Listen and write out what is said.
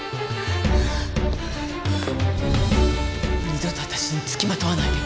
二度と私につきまとわないで。